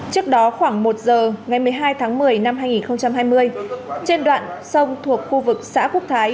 trước đó khoảng một giờ ngày một mươi hai tháng một mươi năm hai nghìn hai mươi trên đoạn sông thuộc khu vực xã quốc thái